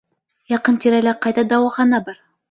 Яҡын тирәлә ҡайҙа дауахана бар?